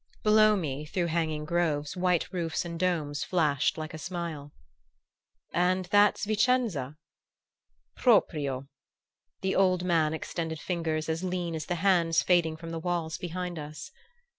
Below me, through hanging groves, white roofs and domes flashed like a smile. "And that's Vicenza?" "Proprio!" The old man extended fingers as lean as the hands fading from the walls behind us.